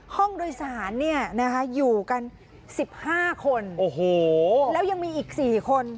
ห้องโดยสารเนี่ยนะคะอยู่กัน๑๕คนโอ้โหแล้วยังมีอีก๔คน